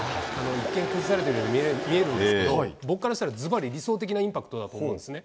一見崩されているように見えるんですけど僕からしたらズバリ理想的なインパクトだと思うんですね。